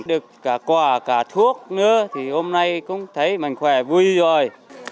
được cả quà cả thuốc nữa thì hôm nay cũng thấy mình khỏe vui rồi